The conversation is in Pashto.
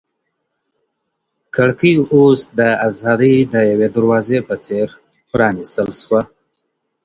کړکۍ اوس د ازادۍ د یوې دروازې په څېر پرانیستل شوه.